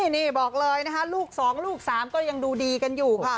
นี่บอกเลยนะคะลูก๒ลูก๓ก็ยังดูดีกันอยู่ค่ะ